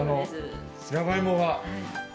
じゃがいもが。